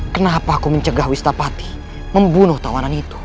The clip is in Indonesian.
kenapa aku mencegah wistapati membunuh tawanan itu